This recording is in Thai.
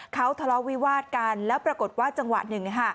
เขาทะเลาะวิวาดกันแล้วปรากฏว่าจังหวะหนึ่ง